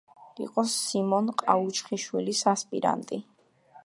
იყო სიმონ ყაუხჩიშვილის ასპირანტი.